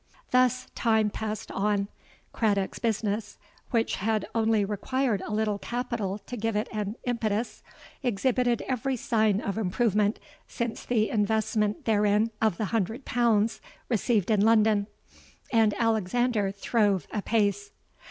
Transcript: Thus time passed on: Craddock's business, which had only required a little capital to give it an impetus, exhibited every sign of improvement since the investment therein of the hundred pounds received in London; and Alexander throve apace.